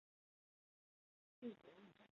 帝国议会时期。